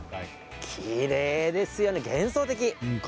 きれいですよね、幻想的。